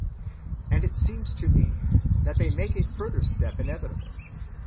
And it seems to me that they make a farther step inevitable.